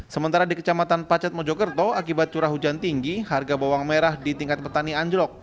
sementara di kecamatan pacet mojokerto akibat curah hujan tinggi harga bawang merah di tingkat petani anjlok